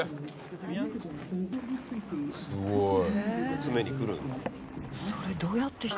すっごい。